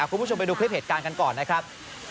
คุณผู้ชมไปดูคลิปเหตุการณ์กันก่อนนะครับ